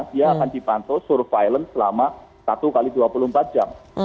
dia akan dipantau surveillance selama satu x dua puluh empat jam